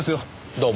どうも。